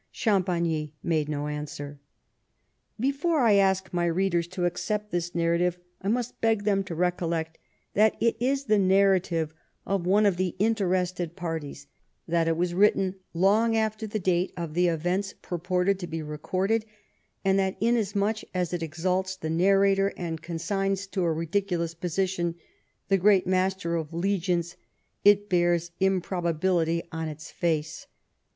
Champagny made no answer. Before I ask my readers to accept this narrative, I must beg them to recollect that it is the narrative of one of the ^6 LIFE OF PBINCE METTEBNICH. interested parties ; that it was written long after the date of the events purported to be recorded, and that, inasmuch as it exalts the narrator, and consigns to a ridiculous position the great master of legions, it bears improbability on its face.